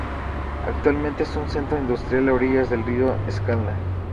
Actualmente es un centro industrial a orillas del río Escalda.